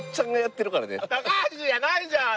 高橋じゃないじゃん！